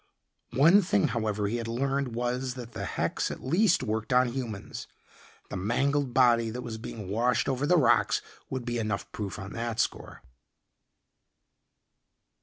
One thing, however, he had learned was that the hex at least worked on humans. The mangled body that was being washed over the rocks would be enough proof on that score.